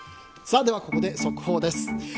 ここで速報です。